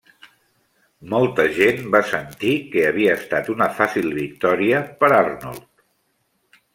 Molta gent va sentir que havia estat una fàcil victòria per Arnold.